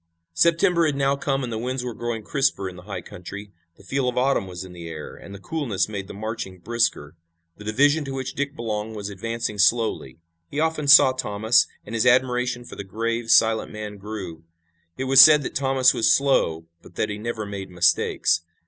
September had now come and the winds were growing crisper in the high country. The feel of autumn was in the air, and the coolness made the marching brisker. The division to which Dick belonged was advancing slowly. He often saw Thomas, and his admiration for the grave, silent man grew. It was said that Thomas was slow, but that he never made mistakes.